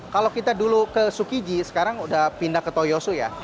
kalau kita dulu ke sukiji sekarang sudah pindah ke toyosu ya